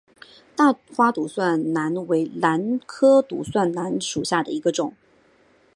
大花独蒜兰为兰科独蒜兰属下的一个种。